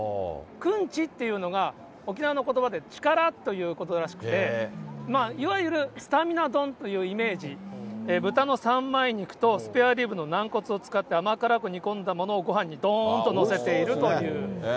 くんちというのが、沖縄のことばで、力ということらしくて、いわゆるスタミナ丼というイメージ、豚の三枚肉とスペアリブの軟骨を使って、甘辛く煮込んだものを、ごはんにどーんと載せているという。